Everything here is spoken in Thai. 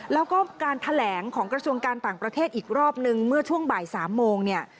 แล้วก็การแถลงของกระทรวงการต่างประเทศอีกรอบนึงเมื่อช่วงบ่าย๓โมงเนี่ย